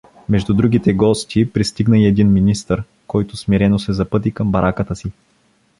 Между другите гости пристигна и един министър, който смирено се запъти към бараката си.